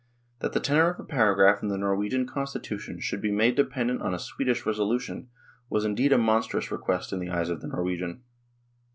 That the tenor of a paragraph in the Norwegian Constitution should be made dependent on a Swedish resolution was indeed a monstrous request in the eyes of the Nor wegian.